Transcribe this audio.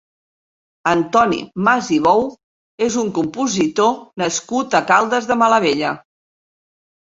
Antoni Mas i Bou és un compositor nascut a Caldes de Malavella.